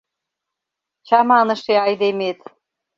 Чаманыше айдемет!..